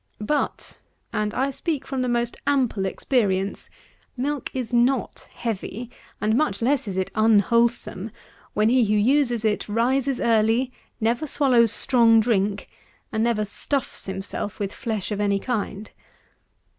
But, and I speak from the most ample experience, milk is not "heavy," and much less is it unwholesome, when he who uses it rises early, never swallows strong drink, and never stuffs himself with flesh of any kind.